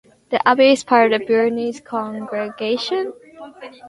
The abbey is part of the Beuronese Congregation.